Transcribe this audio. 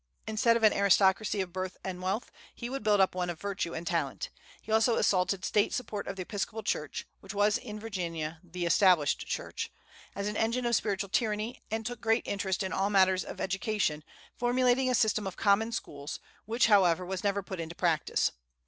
Instead of an aristocracy of birth and wealth, he would build up one of virtue and talent. He also assaulted State support of the Episcopal Church which was in Virginia "the Established Church" as an engine of spiritual tyranny, and took great interest in all matters of education, formulating a system of common schools, which, however, was never put into practice.